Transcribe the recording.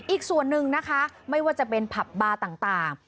อีกส่วนหนึ่งนะคะไม่ว่าจะเป็นผับบาร์ต่าง